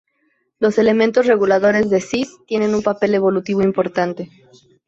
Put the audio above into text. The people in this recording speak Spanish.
Los elementos reguladores de "cis" tienen un papel evolutivo importante.